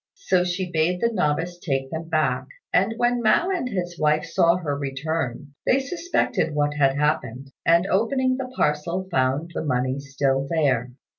So she bade the novice take them back; and when Mao and his wife saw her return, they suspected what had happened, and opening the parcel found the money still there.